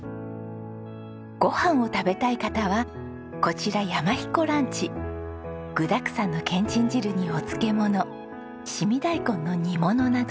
ご飯を食べたい方はこちら具だくさんのけんちん汁にお漬物凍み大根の煮物など。